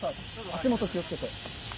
足元気を付けて。